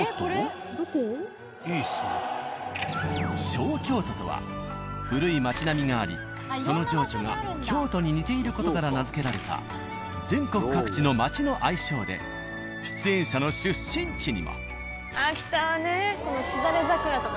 小京都とは古い町並みがありその情緒が京都に似ている事から名付けられた全国各地の町の愛称で出演者の出身地にも。